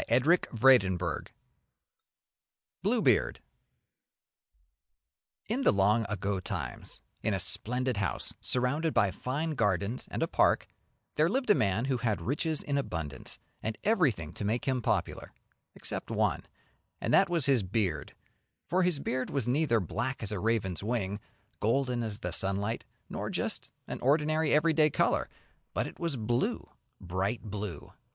BLUEBEARD In the long ago times, in a splendid house, surrounded by fine gardens and a park, there lived a man who had riches in abundance, and everything to make him popular except one, and that was his beard, for his beard was neither black as a raven's wing, golden as the sunlight, nor just an ordinary every day colour, but it was blue, bright blue.